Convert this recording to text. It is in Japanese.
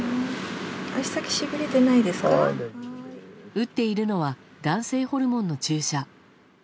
打っているのは男性ホルモンの注射。